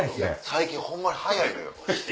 最近ホンマに早いのよ。